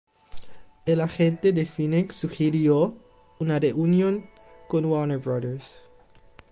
El agente de Phoenix sugirió una reunión con Warner Bros.